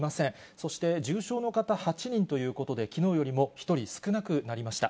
そして、重症の方、８人ということで、きのうよりも１人少なくなりました。